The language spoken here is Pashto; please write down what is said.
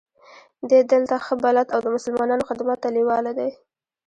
دی دلته ښه بلد او د مسلمانانو خدمت ته لېواله دی.